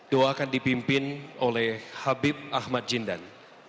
doakan dipimpin oleh habib ahmad jindan